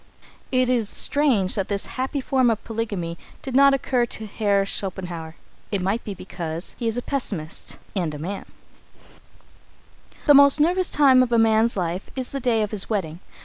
It is strange that this happy form of polygamy did not occur to Herr Schopenhauer. It may be because he was a pessimist and a man. [Sidenote: The Most Nervous Time] The most nervous time of a man's life is the day of his wedding.